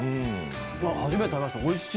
初めて食べました、おいしい。